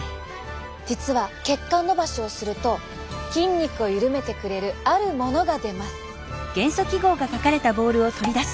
実は血管のばしをすると筋肉を緩めてくれるあるものが出ます。